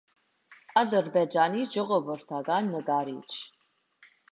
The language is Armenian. Ադրբեջանի ժողովրդական նկարիչ։